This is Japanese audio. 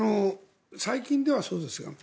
最近ではそうですね。